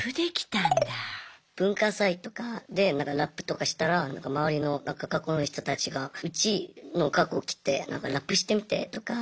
文化祭とかでラップとかしたら周りの学校の人たちがうちの学校来てラップしてみてとかなんか。